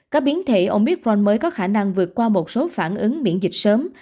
các biến thể omicron mới có khả năng vượt qua một số phản ứng miễn dịch sớm